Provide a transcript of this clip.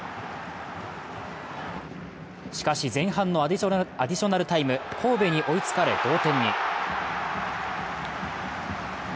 しかし前半のアディショナルタイム、神戸に追いつかれ、同点に。